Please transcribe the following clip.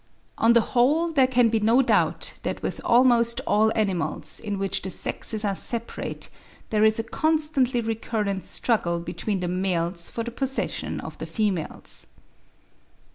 On the whole there can be no doubt that with almost all animals, in which the sexes are separate, there is a constantly recurrent struggle between the males for the possession of the females.